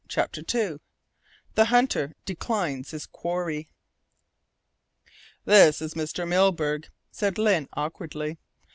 CHAPTER II THE HUNTER DECLINES HIS QUARRY "This is Mr. Milburgh," said Lyne awkwardly.